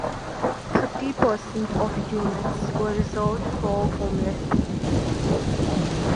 Thirty percent of units were reserved for homeless people.